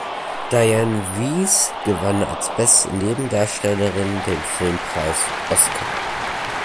Dianne Wiest gewann als Beste Nebendarstellerin den Filmpreis Oscar.